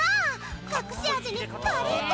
隠し味にカレー粉！